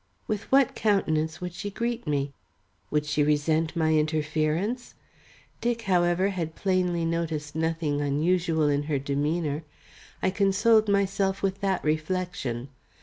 With what countenance would she greet me? Would she resent my interference? Dick, however, had plainly noticed nothing unusual in her demeanour; I consoled myself with that reflection.